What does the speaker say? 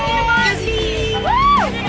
jangan lupa jangan lupa